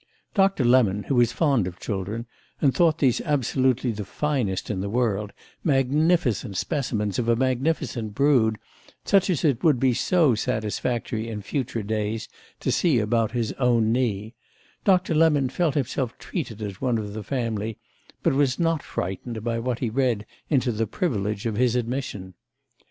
Doctor Lemon, who was fond of children and thought these absolutely the finest in the world—magnificent specimens of a magnificent brood, such as it would be so satisfactory in future days to see about his own knee—Doctor Lemon felt himself treated as one of the family, but was not frightened by what he read into the privilege of his admission.